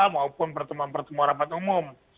maupun pertemuan pertemuan rapat umum